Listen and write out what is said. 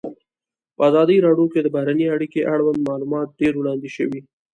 په ازادي راډیو کې د بهرنۍ اړیکې اړوند معلومات ډېر وړاندې شوي.